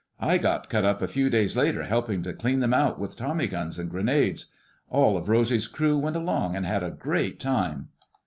I got cut up a few days later helping to clean them out with tommy guns and grenades. All of Rosy's crew went along and had a great time."